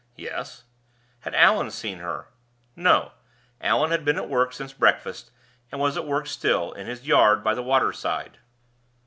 Yes. Had Allan seen her? No; Allan had been at work since breakfast, and was at work still, in his yard by the water side.